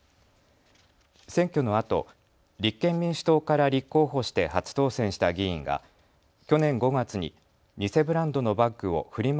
選挙のあと立憲民主党から立候補して初当選した議員が去年５月に偽ブランドのバッグをフリマ